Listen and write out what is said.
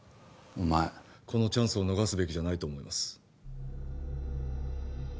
お前このチャンスを逃すべきじゃないと思います